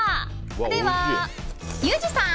では、ユージさん